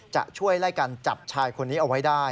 จะช่วยไล่กันจับชายคนนี้เอาไว้ได้